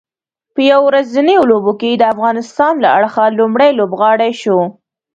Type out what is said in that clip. په یو ورځنیو لوبو کې د افغانستان له اړخه لومړی لوبغاړی شو